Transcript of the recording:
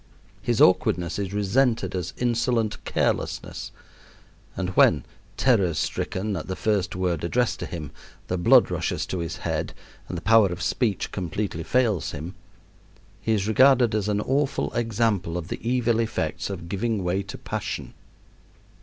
His awkwardness is resented as insolent carelessness, and when, terror stricken at the first word addressed to him, the blood rushes to his head and the power of speech completely fails him, he is regarded as an awful example of the evil effects of giving way to passion.